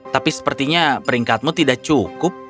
tapi sepertinya peringkatmu tidak cukup